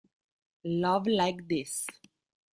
Love Like This